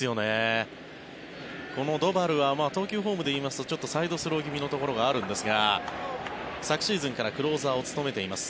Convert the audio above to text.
このドバルは投球フォームでいいますとサイドスロー気味のところがあるんですが昨シーズンからクローザーを務めています。